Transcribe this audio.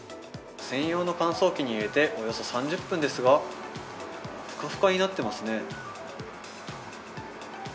専用の乾燥機に入れて、およそ３０分ですが、ふかふかになってますね。